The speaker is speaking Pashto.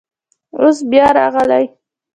اوس بیا راغلی.